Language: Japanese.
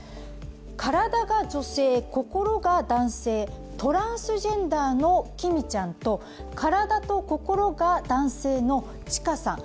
体が女性、心が男性、トランスジェンダーの、きみちゃんと体と心が男性の、ちかさん。